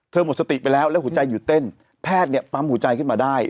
หมดสติไปแล้วแล้วหัวใจหยุดเต้นแพทย์เนี่ยปั๊มหัวใจขึ้นมาได้